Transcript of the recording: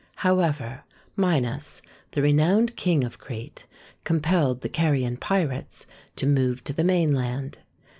However, Minos, the renowned King of Crete, compelled the Carian pirates to move to the mainland.